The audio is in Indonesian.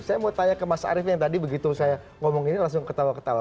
saya mau tanya ke mas arief yang tadi begitu saya ngomong ini langsung ketawa ketawa